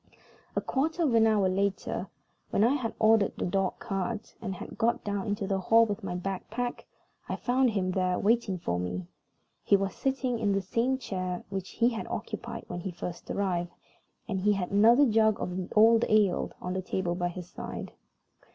A quarter of an hour later, when I had ordered the dog cart, and had got down into the hall with my bag packed, I found him there waiting for me. He was sitting in the same chair which he had occupied when he first arrived, and he had another jug of the old ale on the table by his side.